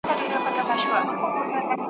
د رقیب دي زړه را سوړ کی زړه دي وچوه اسمانه ,